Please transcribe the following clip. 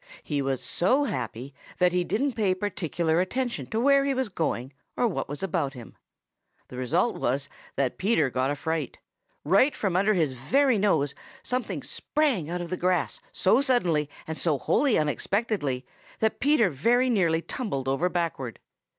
He was so happy that he didn't pay particular attention to where he was going or what was about him. The result was that Peter got a fright. Right from under his very nose something sprang out of the grass so suddenly and so wholly unexpectedly that Peter very nearly tumbled over backward.